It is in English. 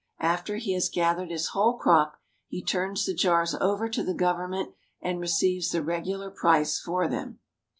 After he has gathered his whole crop, he turns the jars over to the government and receives the regular price for them.